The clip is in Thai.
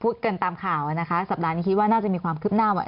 กันตามข่าวนะคะสัปดาห์นี้คิดว่าน่าจะมีความคืบหน้าว่า